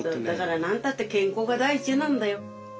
だからなんたって健康が第一なんだよ。